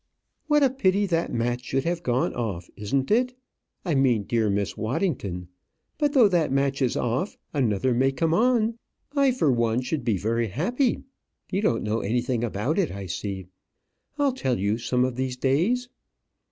"What a pity that match should have gone off, isn't it? I mean dear Miss Waddington. But though that match is off, another may come on. I for one should be very happy. You don't know anything about it, I see. I'll tell you some of these days.